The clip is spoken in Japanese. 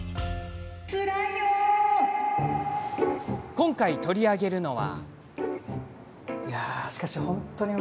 今回、取り上げるのは。